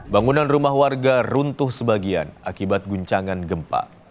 bangunan rumah warga runtuh sebagian akibat guncangan gempa